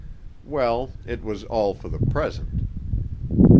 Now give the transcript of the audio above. Well, it was all for the present.